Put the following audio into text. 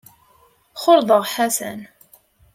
Xulḍeɣ Ḥasan.